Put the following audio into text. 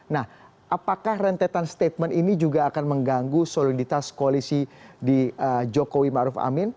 nah apakah rentetan statement ini juga akan mengganggu soliditas koalisi di jokowi ⁇ maruf ⁇ amin